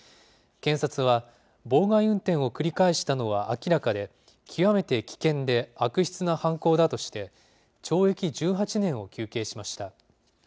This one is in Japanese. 検察は、妨害運転を繰り返したのは明らかで、極めて危険で悪質な犯行だとして、懲役１８年を求刑しました。